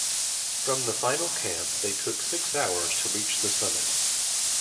From the final camp they took six hours to reach the summit.